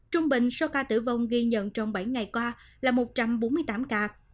trung bình số ca tử vong ghi nhận trong bảy ngày qua là một trăm bốn mươi tám ca